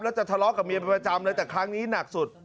แล้วจะทะเลาะกับเมียเป็นประจำเลยแต่ครั้งนี้หนักสุด